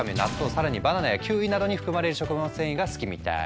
更にバナナやキウイなどに含まれる食物繊維が好きみたい。